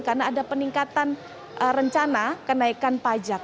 karena ada peningkatan rencana kenaikan pajak